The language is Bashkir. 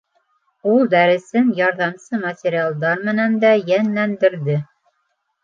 Ул дәресен ярҙамсы материалдар менән дә йәнләндерҙе.